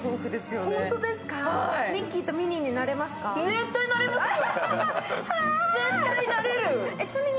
絶対なれますよ！